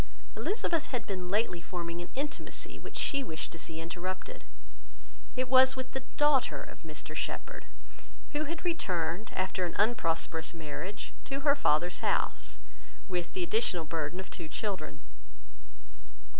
Elizabeth had been lately forming an intimacy, which she wished to see interrupted. It was with the daughter of Mr Shepherd, who had returned, after an unprosperous marriage, to her father's house, with the additional burden of two children.